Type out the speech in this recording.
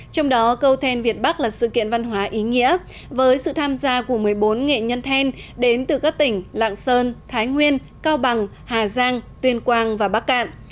trong đó câu then việt bắc là sự kiện văn hóa ý nghĩa với sự tham gia của một mươi bốn nghệ nhân then đến từ các tỉnh lạng sơn thái nguyên cao bằng hà giang tuyên quang và bắc cạn